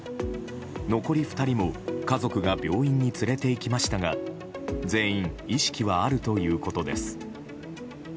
残り２人も家族が病院に連れていきましたが全員、意識はあるということです。